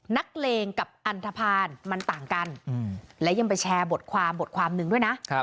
นักเลงกับอันทภาณมันต่างกันและยังไปแชร์บทความบทความหนึ่งด้วยนะ